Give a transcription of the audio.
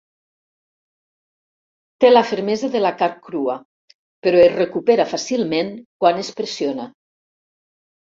Té la fermesa de la carn crua però es recupera fàcilment quan es pressiona.